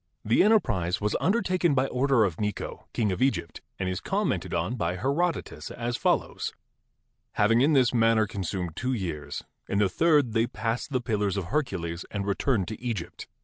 The enterprise was undertaken by order of Necho, king of Egypt, and is commented on by Herodotus as follows: "Having in this manner consumed two years, in the third they passed the Pillars of Hercules and returned to Egypt.